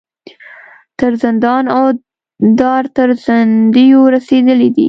تر زندان او دار تر زندیو رسېدلي دي.